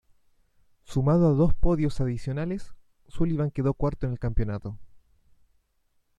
Sumado a dos podios adicionales, Sullivan quedó cuarto en el campeonato.